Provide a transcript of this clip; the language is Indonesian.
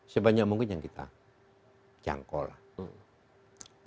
sebanyak mungkin yang kita jangkau lah